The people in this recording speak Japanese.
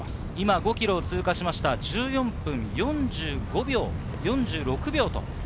５ｋｍを通過しました、１４分４５秒。